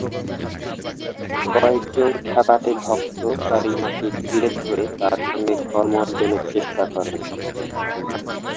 কয়েকজন খ্যাপাটে ভক্ত কারিনাকে ঘিরে ধরে তাঁর সঙ্গে করমর্দনের চেষ্টা করেন।